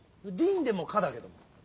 「林」でも可だけど。